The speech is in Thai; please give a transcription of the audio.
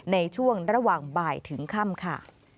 ในช่วงระหว่างบ่ายถึงค่ำค่ะ